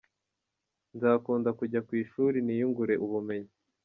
Nzakunda kujya kw'ishuri niyungure ubumenyi.